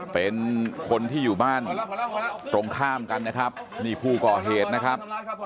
เป็นคนที่อยู่บ้านตรงข้ามกันนะครับนี่ผู้ก่อเหตุนะครับ